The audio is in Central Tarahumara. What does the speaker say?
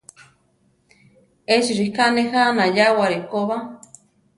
Échi ríka nejá anayáwari koba.